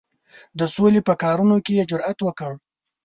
د سولي په کارونو کې یې جرأت وکړ.